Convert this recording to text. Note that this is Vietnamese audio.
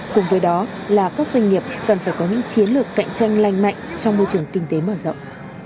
cùng với đó là các doanh nghiệp cần phải có những chiến lược cạnh tranh lành mạnh trong môi trường kinh tế mở rộng